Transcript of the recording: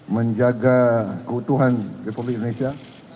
menjaga keutuhan republik indonesia